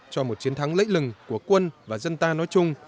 cho một chiến thắng lễ lừng của quân và dân ta nói chung